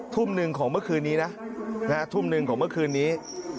ทุ่มหนึ่งของเมื่อคืนนี้นะทุ่มหนึ่งของเมื่อคืนนี้